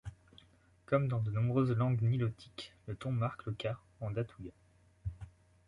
Comme dans de nombreuses langues nilotiques, le ton marque le cas en datooga.